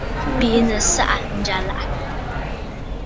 Bìʼinə̀ saʼa njyàlàʼà.